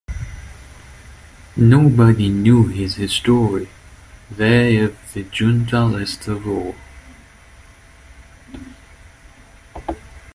Nobody knew his history, they of the Junta least of all.